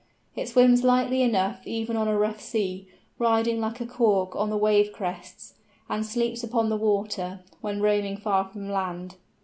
It swims lightly enough even on a rough sea, riding like a cork on the wave crests, and sleeps upon the water, when roaming far from land.